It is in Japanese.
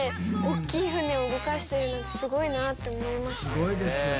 すごいですよね。